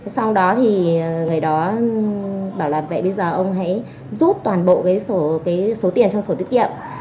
sau đó thì người đó bảo là vẽ bây giờ ông hãy rút toàn bộ cái số tiền trong sổ tiết kiệm